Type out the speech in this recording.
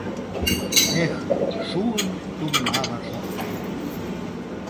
Эх, шуын тумнала шортмем!